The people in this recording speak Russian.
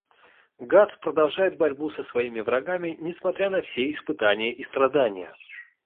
Гатс продолжает борьбу со своими врагами, несмотря на все испытания и страдания.